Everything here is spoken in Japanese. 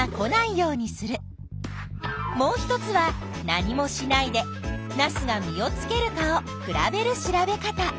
もう１つは何もしないでナスが実をつけるかを比べる調べ方。